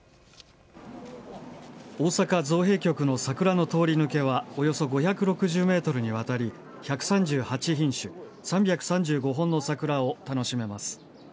大阪・造幣局の桜の通り抜けはおよそ５６０ｍにわたり１３８品種３３５本の桜を楽しめます。